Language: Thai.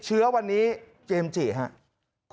ขอเลื่อนสิ่งที่คุณหนูรู้สึก